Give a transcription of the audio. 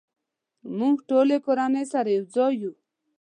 مونږ ټولې کورنۍ سره یوځای یو